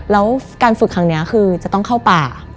แล้วการฝึกครั้งนี้คือจะต้องเข้าป่า